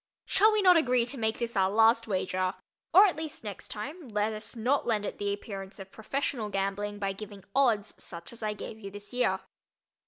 Shall we not agree to make this our last wager—or at least, next time, let us not lend it the appearance of professional gambling by giving "odds," such as I gave you this year.